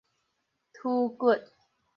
鋤骨